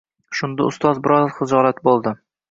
Shunda ustoz biroz xijolat bo‘ldi